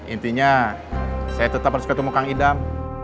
intinya saya tetap harus ketemu kang idam